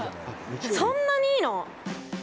そんなにいいの？